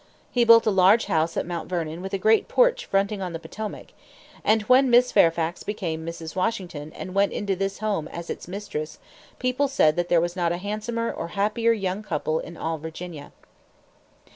He built a large house at Mount Vernon with a great porch fronting on the Potomac; and when Miss Fairfax became Mrs. Washington and went into this home as its mistress, people said that there was not a handsomer or happier young couple in all Virginia.